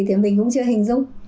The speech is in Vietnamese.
thì mình cũng chưa hình dung